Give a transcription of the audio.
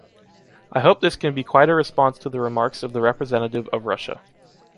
I hope this can be quite a response to the remarks of the representative of Russia.